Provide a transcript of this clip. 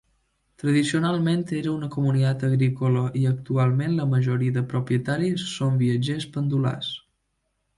Tradicionalment era una comunitat agrícola i actualment la majoria de propietaris són viatgers pendulars.